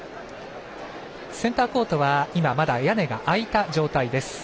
センターコートは今まだ屋根が開いた状態です。